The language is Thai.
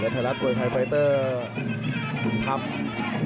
ไทยรัฐมวยไทยไฟตเตอร์ครับ